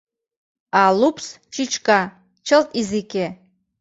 А лупс чӱчка — чылт изике.